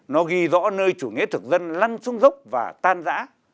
nó ghi rõ nơi chủ nghĩa thực dân lăn xuống dốc và tan giã